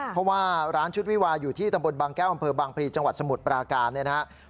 เพราะว่าร้านชุดวิวาอยู่ที่ตำบลบางแก้วอำเภอบางพลีจังหวัดสมุทรปราการเนี่ยนะครับ